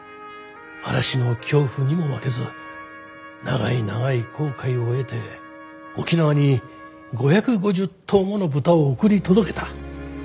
嵐の恐怖にも負けず長い長い航海を経て沖縄に５５０頭もの豚を送り届けた。